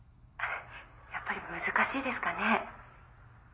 やっぱり難しいですかね？